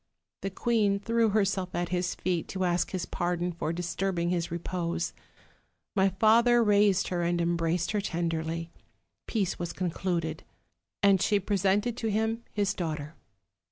The queen threw herself at his feet, to ask his pardon for disturbing his repose. My father raised her and embrac ing her tenderly, peace was concluded; and she presented to him his daughter.